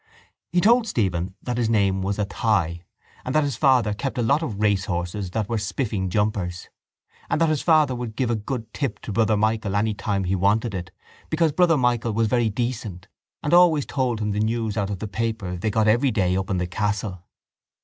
He told Stephen that his name was Athy and that his father kept a lot of racehorses that were spiffing jumpers and that his father would give a good tip to Brother Michael any time he wanted it because Brother Michael was very decent and always told him the news out of the paper they got every day up in the castle.